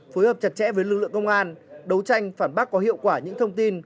phối hợp chặt chẽ với lực lượng công an đấu tranh phản bác có hiệu quả những thông tin